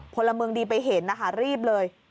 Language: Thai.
พลเมืองดีไปเห็นนะคะรีบเลย